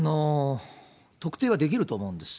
特定はできると思うんです。